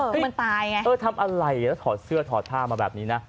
คือมันตายไงเออทำอะไรแล้วถอดเสื้อถอดผ้ามาแบบนี้นะ